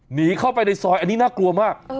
หนีเข้าไปในซอยอันนี้น่ากลัวมาก